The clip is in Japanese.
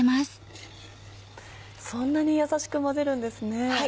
そんなにやさしく混ぜるんですね。